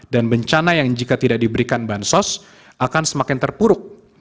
bencana yang jika tidak diberikan bansos akan semakin terpuruk